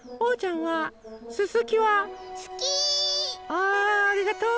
あありがとう！